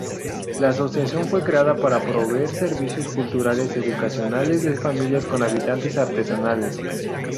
La asociación fue creada para proveer servicios culturales, educacionales de familias con habilidades artesanales.